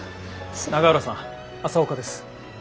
永浦さん朝岡です。